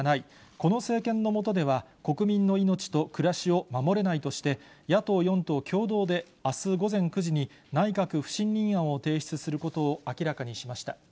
この政権の下では国民の命と暮らしを守れないとして、野党４党共同であす午前９時に、内閣不信任案を提出することを明らかにしました。